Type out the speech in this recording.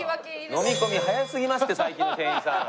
のみ込み早すぎますって最近の店員さん。